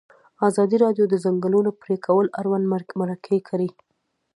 ازادي راډیو د د ځنګلونو پرېکول اړوند مرکې کړي.